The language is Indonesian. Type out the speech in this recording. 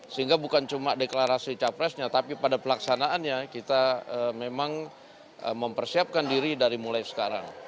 sehingga bukan cuma deklarasi capresnya tapi pada pelaksanaannya kita memang mempersiapkan diri dari mulai sekarang